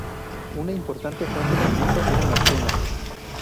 Una importante fuente de alimento eran las tunas.